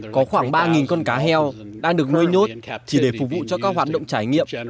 có khoảng ba con cá heo đang được nuôi nhốt chỉ để phục vụ cho các hoạt động trải nghiệm